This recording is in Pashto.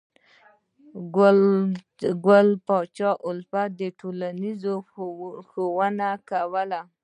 ګل پاچا الفت ټولنیزه ښوونه کوله.